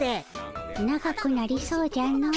長くなりそうじゃの。